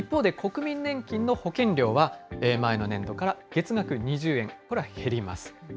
一方で国民年金の保険料は、前の年度から月額２０円、これは減ります。